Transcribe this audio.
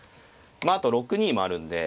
まああと６二もあるんで。